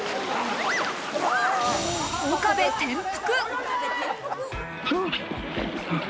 岡部、転覆。